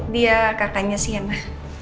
dia kakaknya sienna